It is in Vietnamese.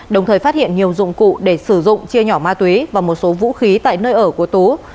đồng thời phát hiện nhiều dụng cụ để sử dụng chia nhỏ ma túy và một số vũ khí tại nơi ở của tú